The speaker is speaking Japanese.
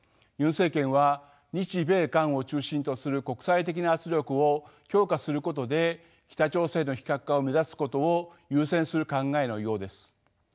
ユン政権は日米韓を中心とする国際的な圧力を強化することで北朝鮮の非核化を目指すことを優先する考えのようです。